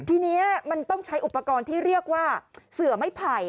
ทีนี้มันต้องใช้อุปกรณ์ที่เรียกว่าเสือไม่ไผ่